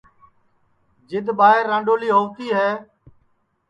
جِد ٻائیر رانڏولی ہووتی ہے